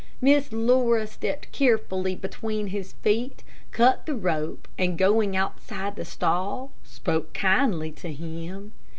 Miss Laura stepped carefully between his feet, cut the rope and going outside the stall spoke kindly to him.